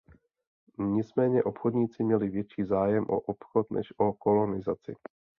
Nicméně obchodníci měli větší zájem o obchod než o kolonizaci.